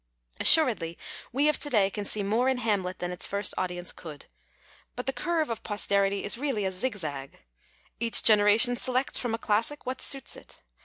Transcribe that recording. '' Assuredly we of to day can sec more in Hamlet than its first audience could. But tiie curve of " posterity " is really a zig zag. Each generation selects from a classic what suits it.